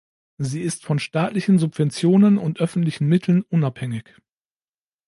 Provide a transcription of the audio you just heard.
Sie ist von staatlichen Subventionen und öffentlichen Mitteln unabhängig.